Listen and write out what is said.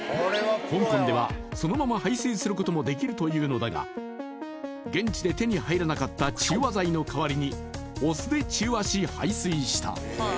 香港ではそのまま排水することもできるというのだが現地で手に入らなかった中和剤の代わりにお酢で中和し、排水した。